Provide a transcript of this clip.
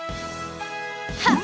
はっ！